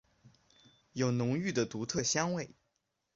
有浓郁的独特香味。